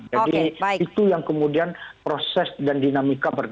jadi itu yang kemudian proses dan dinamika berdebat